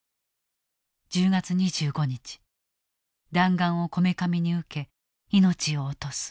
１０月２５日弾丸をこめかみに受け命を落とす。